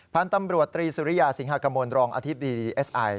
พันธุ์ตำรวจตรีสุริยาสิงหากมลรองอธิบดีเอสไอ